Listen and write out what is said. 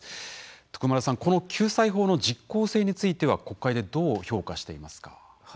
徳丸さん、救済法の実効性については国会でどう評価していますか。